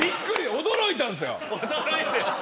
驚いたんですよ。